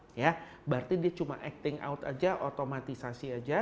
berarti dia cuma acting out aja otomatisasi aja